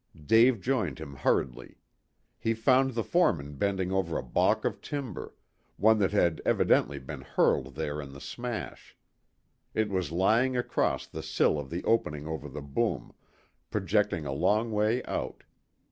Dave joined him hurriedly. He found the foreman bending over a baulk of timber, one that had evidently been hurled there in the smash. It was lying across the sill of the opening over the boom, projecting a long way out.